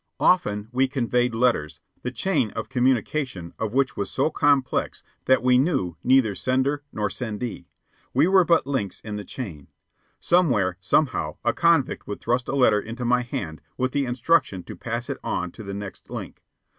Often we conveyed letters, the chain of communication of which was so complex that we knew neither sender nor sendee. We were but links in the chain. Somewhere, somehow, a convict would thrust a letter into my hand with the instruction to pass it on to the next link.